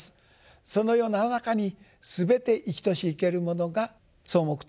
そのような中にすべて生きとし生けるものが草木等があると。